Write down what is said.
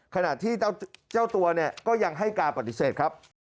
ขณะที่เจ้าตัวเนี่ยก็ยังให้การปฏิเสธครับ